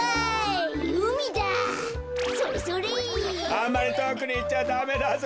あんまりとおくにいっちゃダメだぞ。